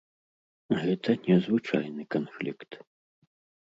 Гэта не звычайны канфлікт.